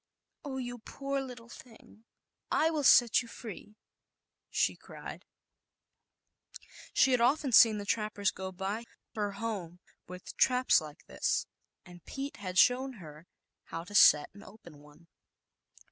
"Oh, you poor ng, I will set you free," she cried, often seen the trappers go by e with traps like this, and Pete had shown her how to set and open one.